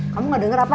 kamu gak denger apa